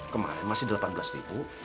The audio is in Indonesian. kemarin masih delapan belas ribu